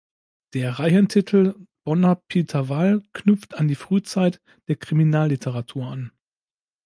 Der Reihentitel "Bonner Pitaval" knüpft an die Frühzeit der Kriminalliteratur an.